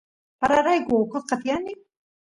pararayku oqosqa tiyani